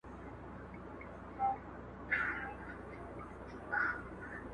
ستا هره گيله مي لا په ياد کي ده.